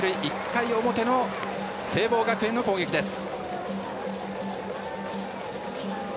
１回の表の聖望学園の攻撃です。